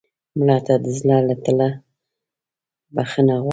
مړه ته د زړه له تله بښنه غواړو